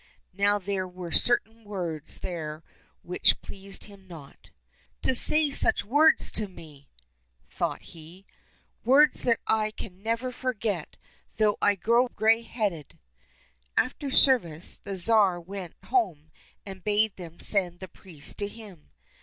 Now there were certain words there which pleased him not. " To say such words to me !" thought he, " words that I can never forget, though I grow grey headed." After service the Tsar went home, and bade them send the priest to him.